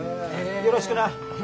よろしくな！